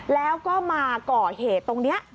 แล้วก็มาก่อเหตุตรงนี้